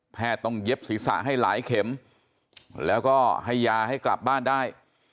ต้องเย็บศีรษะให้หลายเข็มแล้วก็ให้ยาให้กลับบ้านได้